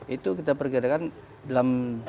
itu kita pergadakan dalam